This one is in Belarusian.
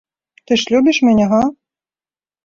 Ты ж любіш мяне, га?